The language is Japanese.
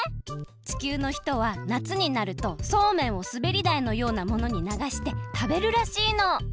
地球のひとはなつになるとそうめんをすべりだいのようなものにながしてたべるらしいの。